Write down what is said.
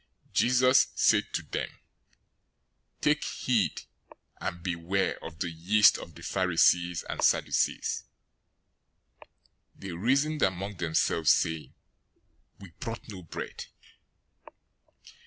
016:006 Jesus said to them, "Take heed and beware of the yeast of the Pharisees and Sadducees." 016:007 They reasoned among themselves, saying, "We brought no bread."